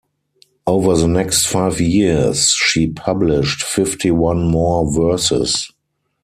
Over the next five years she published fifty-one more verses.